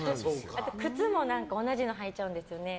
あと靴も同じのを履いちゃうんですよね。